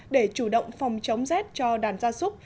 để chủ động phòng chống rét cho đàn gia súc